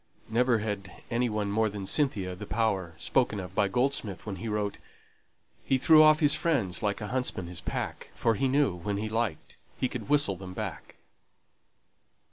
Never had any one more than Cynthia the power spoken of by Goldsmith when he wrote He threw off his friends like a huntsman his pack, For he knew when he liked he could whistle them back.